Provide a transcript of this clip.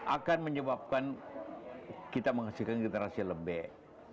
akan menyebabkan kita menghasilkan generasi yang lebih